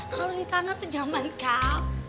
kalau di tangan tuh jaman kau